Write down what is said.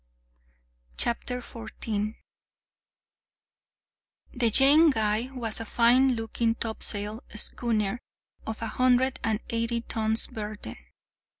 CHAPTER 14 The Jane Guy was a fine looking topsail schooner of a hundred and eighty tons burden.